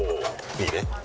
いいね。